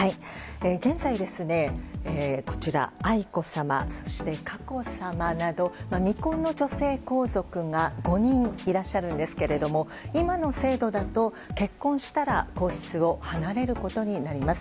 現在、こちら愛子さま、そして佳子さまなど未婚の女性皇族が５人いらっしゃるんですけれども今の制度だと、結婚したら皇室を離れることになります。